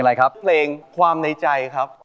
ไปกับเพลงความในใจครับ